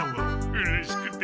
うれしくて。